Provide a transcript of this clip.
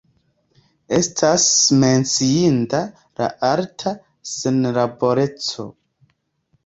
Estas menciinda la alta senlaboreco.